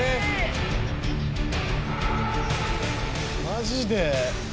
マジで？